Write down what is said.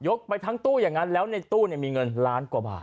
ไปทั้งตู้อย่างนั้นแล้วในตู้มีเงินล้านกว่าบาท